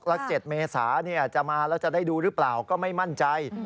๗เมษาจะมาแล้วจะได้ดูหรือเปล่าก็ไม่มั่นใจ